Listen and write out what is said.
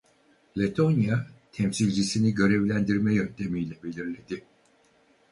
Letonya temsilcisini görevlendirme yöntemiyle belirledi.